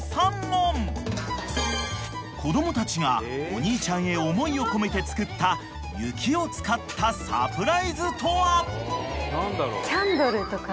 ［子供たちがお兄ちゃんへ思いを込めて作った雪を使ったサプライズとは？］